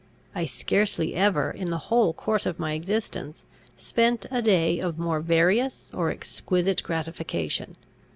I scarcely ever, in the whole course of my existence, spent a day of more various or exquisite gratification.